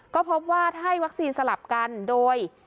ก็พบว่าถ้าให้วัคซีนสลับกันโดย